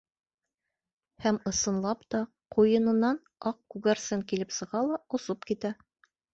Һәм, ысынлап та, ҡуйынынан аҡ күгәрсен килеп сыға ла, осоп китә.